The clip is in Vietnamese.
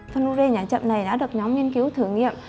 phân lưu rê nhả chậm này đã được nhóm nghiên cứu thử nghiệm